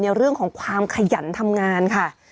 เรื่องของความขยันทำงานค่ะ